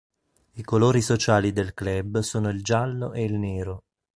I colori sociali del club sono il giallo e il nero.